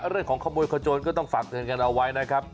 เรื่องของขโมยขโจนก็ต้องฝากเตือนกันเอาไว้นะครับ